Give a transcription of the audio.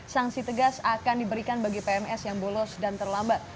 sanksi tegas akan diberikan bagi pns yang bolos dan terlambat